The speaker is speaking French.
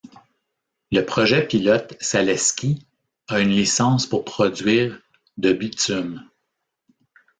Le projet pilote Saleski a une licence pour produire de bitume.